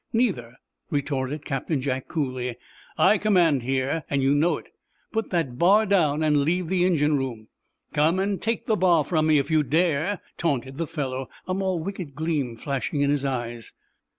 "Neither," retorted Captain Jack, coolly. "I command here, and you know it. Put that bar down, and leave the engine room." "Come and take the bar from me—if you dare!" taunted the fellow, a more wicked gleam flashing in his eyes.